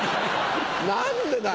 何でだよ。